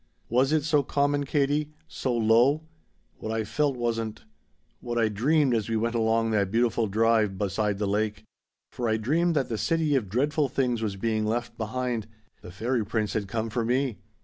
"Was it so common, Katie? So low? What I felt wasn't what I dreamed as we went along that beautiful drive beside the lake. "For I dreamed that the city of dreadful things was being left behind. The fairy prince had come for me.